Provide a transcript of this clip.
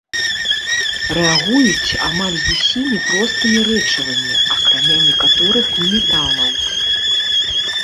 Рэагуюць амаль з усімі простымі рэчывамі, акрамя некаторых неметалаў.